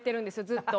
ずっと。